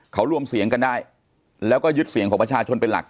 เขารวมเสียงกันได้แล้วก็ยึดเสียงของประชาชนเป็นหลัก